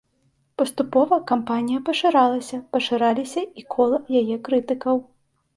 Паступова кампанія пашыралася, пашыраліся і кола яе крытыкаў.